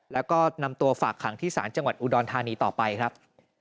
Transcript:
แล้วก็นำตัวฝากขังที่ศาลจังหวัดอุดรธานีต่อไปครับ